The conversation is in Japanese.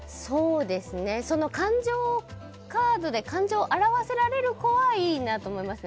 感情カードで感情を表せられる子はいいなと思いますね。